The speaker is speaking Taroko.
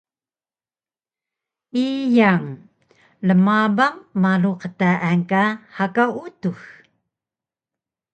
Iyang: Rmabang malu qtaan ka hakaw utux